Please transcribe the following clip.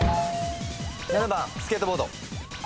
７番スケートボード。